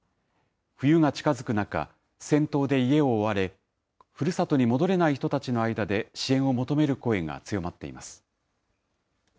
冬が近づく中、戦闘で家を追われ、ふるさとに戻れない人たちの間で支援を求める声が強まっています。